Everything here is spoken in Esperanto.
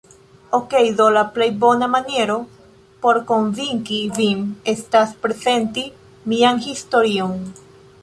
Okej do la plej bona maniero, por konvinki vin estas prezenti mian historion